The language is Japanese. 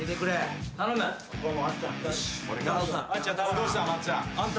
どうした？